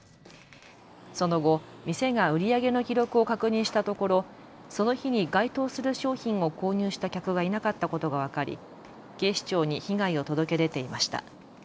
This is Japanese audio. その後、店が売り上げの記録を確認したところ、その日に該当する商品を購入した客がいなかったことが分かり警視庁に被害を届け出ていました。